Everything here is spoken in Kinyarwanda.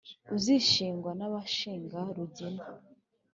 uzishingwa n’abashinga rugina